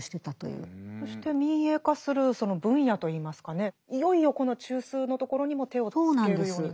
そして民営化するその分野といいますかねいよいよこの中枢のところにも手をつけるようになる。